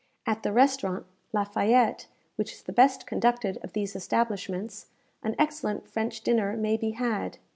At the restaurant La Fayette, which is the best conducted of these establishments, an excellent French dinner may be had.